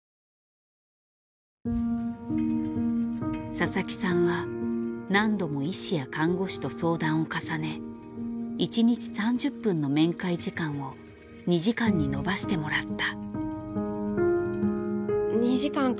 佐々木さんは何度も医師や看護師と相談を重ね１日３０分の面会時間を２時間に延ばしてもらった。